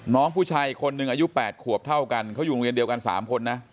น้องผู้ชายอีกคนนึงอายุ๘ขวบเท่ากันเขาอยู่โรงเรียนเดียวกัน๓คนนะ